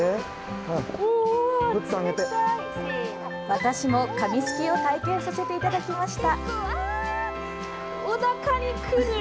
私も紙すきを体験させていただきました。